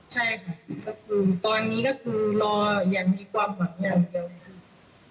ใช่ค่ะก็คือตอนนี้ก็คือรออย่างมีความหวังอย่างเดียวค่ะ